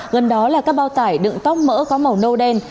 gần đó là các bao tải đựng tóc mỡ có màu nâu đen